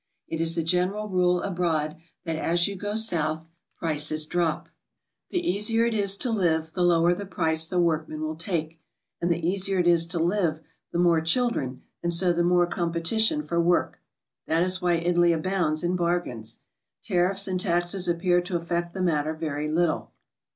It is the general rule abroad that as you go South, prices drop. The easier it is to live, the lower the price the workman will take. And the easier it is to live, the more children and so the more competition for work. That is why Italy abounds ia bargains. Tariffs and taxes appear to affect the matter very little.